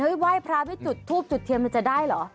ไหว้พระไม่จุดทูบจุดเทียนมันจะได้เหรอ